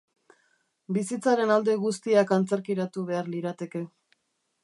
Bizitzaren alde guztiak antzerkiratu behar lirateke.